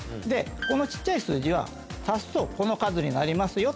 この小っちゃい数字は足すとこの数になりますよ。